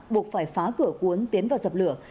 buộc phải phá cửa cuốn tiến vào dập lửa